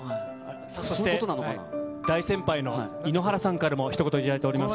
そして、大先輩の井ノ原さんからもひと言頂いております。